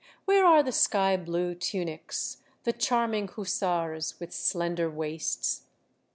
Where are the sky blue tunics, the charming hussars, with slender waists?